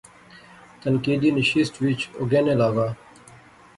تنقیدی نشست وچ او گینے لاغا